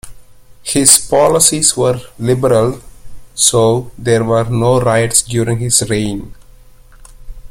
His policies were liberal so there were no riots during his reign.